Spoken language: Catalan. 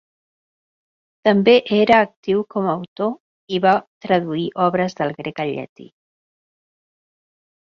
També era actiu com autor, i va traduir obres del grec al llatí.